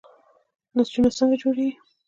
نسجونه څنګه جوړیږي؟